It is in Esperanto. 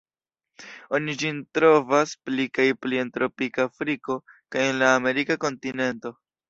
Oni ĝin trovas pli kaj pli en tropika Afriko kaj en la Amerika kontinento.